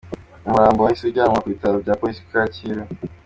Umurambo wahise ujyanwa ku bitaro bya polisi ku Kacyiru.